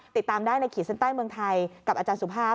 ติดตามได้ในขีดเส้นใต้เมืองไทยกับอาจารย์สุภาพ